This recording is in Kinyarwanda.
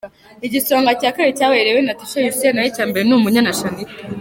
Igisonga cya Kabiri cyabaye Irebe Natacha Ursule naho icya mbere ni Umunyana Shanitah.